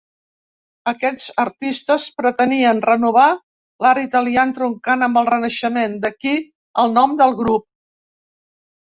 Aquests artistes pretenien renovar l'art italià entroncant amb el Renaixement, d'aquí el nom del grup.